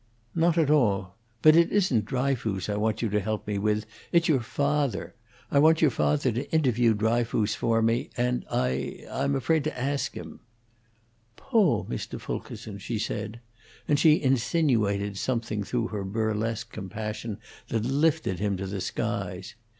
"Not at all. But it isn't Dryfoos I want you to help me with; it's your father. I want your father to interview Dryfoos for me, and I I'm afraid to ask him." "Poo' Mr. Fulkerson!" she said, and she insinuated something through her burlesque compassion that lifted him to the skies.